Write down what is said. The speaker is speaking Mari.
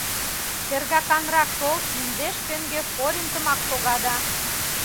Шергаканрак шол: индеш пенгӧфоринтымак шога да.